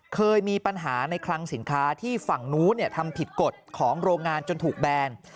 เคยมีปัญหาในคลังสินค้าที่ฝั่งนู้นทำผิดกฎของโรงงานจนถูกแบน